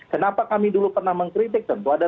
kenapa kami dulu pernah mengkritik tentu ada